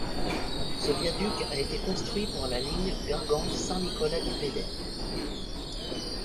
Ce viaduc a été construit pour la ligne Guingamp - Saint-Nicolas-du-Pélem.